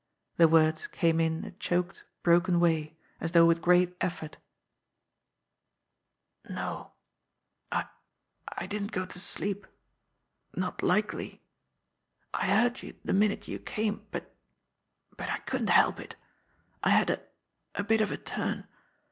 The words came in a choked, broken way, as though with great effort : "No; I I didn't go to sleep. Not likely! I heard you the minute you came, but but I couldn't help it. I had a a bit of a turn.